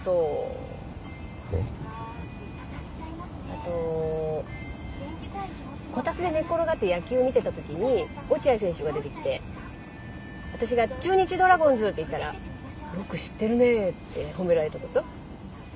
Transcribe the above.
あとこたつで寝っ転がって野球見てた時に落合選手が出てきて私が「中日ドラゴンズ」って言ったら「よく知ってるね」って褒められたこと。